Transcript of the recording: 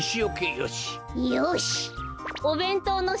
よし！